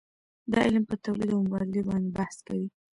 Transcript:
دا علم په تولید او مبادلې باندې بحث کوي.